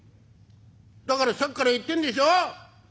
「だからさっきから言ってんでしょう！？